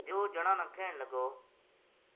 دیو جنا نا کہن لگو